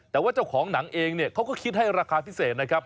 แต่ว่าเจ้าของหนังเองเนี่ยเขาก็คิดให้ราคาพิเศษนะครับ